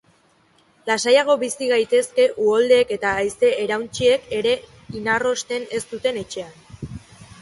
Lasaiago bizi gaitezke uholdeek eta haize-erauntsiek ere inarrosten ez duten etxean.